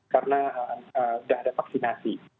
sudah ada vaksinasi